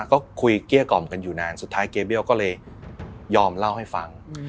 ก็คุยเกลี้ยกล่อมกันอยู่นานสุดท้ายเกเบี้ยวก็เลยยอมเล่าให้ฟัง